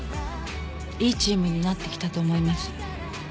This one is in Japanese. いいチームになってきたと思います。